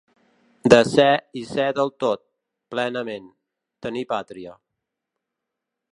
De ser i ser del tot, plenament: tenir pàtria.